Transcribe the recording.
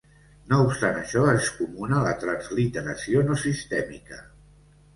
No obstant això, és comuna la transliteració no sistemàtica.